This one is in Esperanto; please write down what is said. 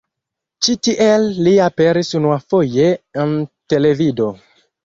Ĉi tiel li aperis unuafoje en televido.